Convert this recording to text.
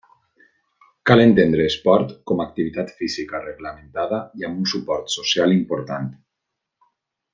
Cal entendre esport com activitat física reglamentada i amb un suport social important.